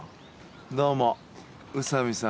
どうも宇佐美さん